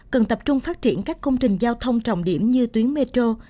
cần tập trung phát triển các công trình giao thông trọng điểm như tuyến metro